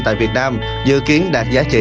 tại việt nam dự kiến đạt giá trị